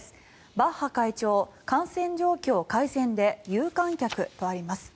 バッハ会長、感染状況改善で有観客とあります。